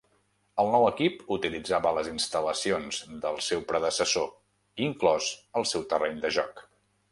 El nou equip utilitzava les instal·lacions del seu predecessor, inclòs el seu terreny de joc.